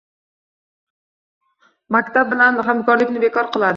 Maktab bilan hamkorlikni bekor qiladi.